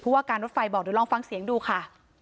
ว่าการรถไฟบอกเดี๋ยวลองฟังเสียงดูค่ะ